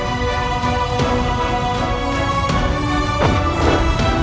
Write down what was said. aku akan menangkapmu